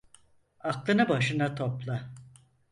Aklını başına topla!